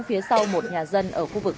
phía sau một nhà dân ở khu vực ba